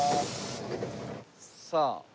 さあ。